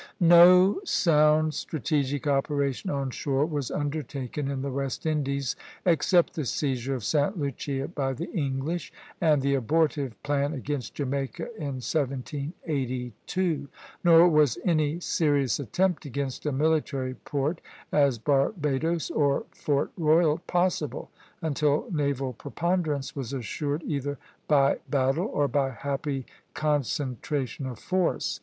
No sound strategic operation on shore was undertaken in the West Indies except the seizure of Sta. Lucia by the English, and the abortive plan against Jamaica in 1782; nor was any serious attempt against a military port, as Barbadoes or Fort Royal, possible, until naval preponderance was assured either by battle or by happy concentration of force.